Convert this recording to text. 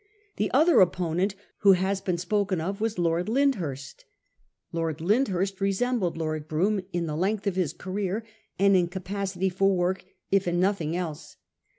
The other opponent who has been spoken of was Lord Lyndhurst. Lord Lyndhurst resembled Lord Brougham in the length of his career and in capacity for work, if in nothing else.